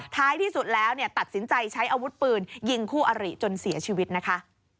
ท้ายที่สุดแล้วตัดสินใจใช้อาวุธปืนยิงคู่อริจนเสียชีวิตนะคะ